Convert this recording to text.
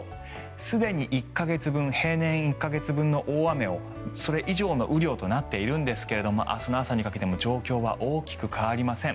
すでに平年１か月分の大雨それ以上の雨量となっているんですが明日の朝にかけても状況は大きく変わりません。